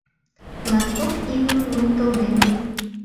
Латкок игым луктылден.